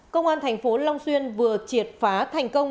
công an thành phố long xuyên vừa triệt phá thành công